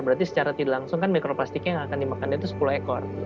berarti secara tidak langsung kan mikroplastiknya yang akan dimakan itu sepuluh ekor